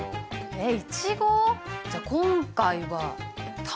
えっ！？